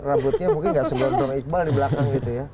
rambutnya mungkin nggak seborong borong iqbal di belakang gitu ya